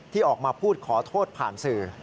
ที่ออกมาพูดขอโทษผ่านสื่อ